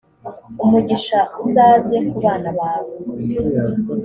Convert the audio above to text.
umugisha uzaze ku bana bawe,